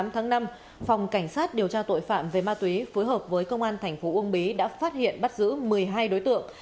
tám tháng năm phòng cảnh sát điều tra tội phạm về ma túy phối hợp với công an thành phố uông bí đã phát hiện bắt giữ một mươi hai đối tượng